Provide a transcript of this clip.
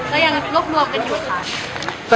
ก็ยังรวบรวมกันอยู่ค่ะ